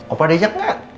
opa ada yang enggak